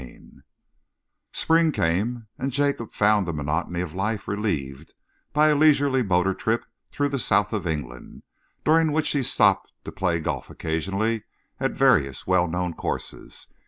CHAPTER XVI Spring came, and Jacob found the monotony of life relieved by a leisurely motor trip through the south of England, during which he stopped to play golf occasionally at various well known courses.